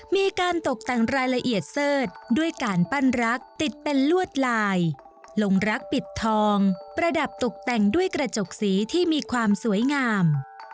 มีการตกแต่งรายละเอียดเสิร์ชด้วยการปั้นรักติดเป็นลวดลายลงรักปิดทองประดับตกแต่งด้วยกระจกสีที่มีความสวยงาม